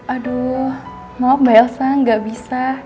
aduh maaf mbak elsa gak bisa